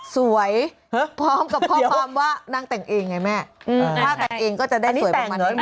พร้อมกับข้อความว่านางแต่งเองไงแม่ถ้าแต่งเองก็จะได้สวยประมาณนี้